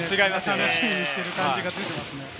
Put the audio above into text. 楽しみにしてる感じが出てますね。